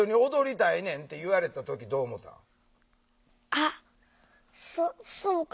あっそうか。